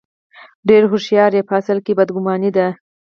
ډېره هوښیاري په اصل کې بد ګماني ده.